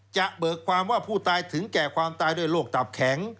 เบิกความว่าผู้ตายถึงแก่ความตายด้วยโรคตับแข็ง